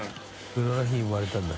風呂の日に生まれたんだ。